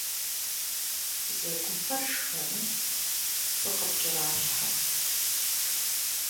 Бзэгупэр шхэмэ пцӏы къыпкӏэралъхьэ.